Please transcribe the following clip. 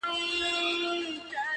سترګي توري د هوسۍ قد یې چینار وو،